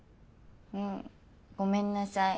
うごめんなさい。